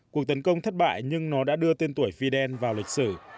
cuộc tấn công thất bại nhưng nó đã đưa tên tuổi fidel vào lịch sử